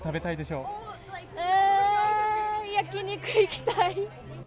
うーん、焼き肉行きたい。